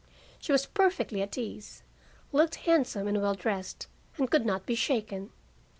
She was perfectly at ease, looked handsome and well dressed, and could not be shaken.